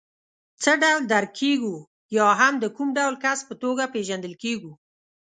څه ډول درک کېږو یا هم د کوم ډول کس په توګه پېژندل کېږو.